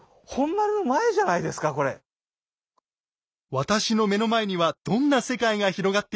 私の目の前にはどんな世界が広がっているのか。